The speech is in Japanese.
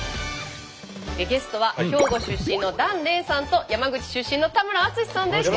ゲストは兵庫出身の檀れいさんと山口出身の田村淳さんです。